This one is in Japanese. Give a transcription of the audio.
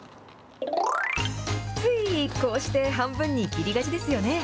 ついこうして半分に切りがちですよね。